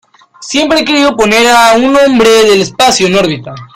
Siempre he querido poner a un hombre del espacio en órbita.